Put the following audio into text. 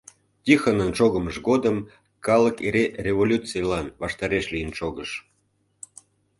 Тихонын шогымыж годым калык эре революцийлан ваштареш лийын шогыш.